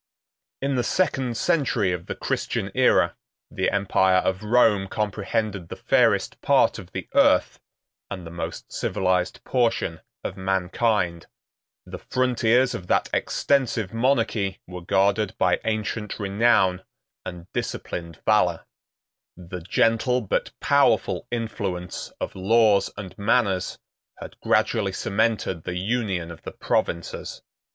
In the second century of the Christian Æra, the empire of Rome comprehended the fairest part of the earth, and the most civilized portion of mankind. The frontiers of that extensive monarchy were guarded by ancient renown and disciplined valor. The gentle but powerful influence of laws and manners had gradually cemented the union of the provinces.